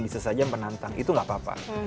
bisnis aja penantang itu gak apa apa